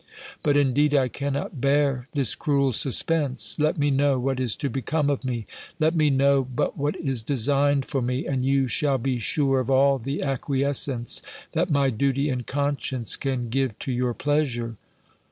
But, indeed, I cannot bear this cruel suspense! Let me know what is to become of me. Let me know but what is designed for me, and you shall be sure of all the acquiescence that my duty and conscience can give to your pleasure."